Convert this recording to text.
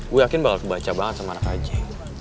gue yakin bakal kebaca banget sama anak aceh